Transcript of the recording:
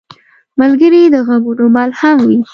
ملګری د غمونو ملهم وي.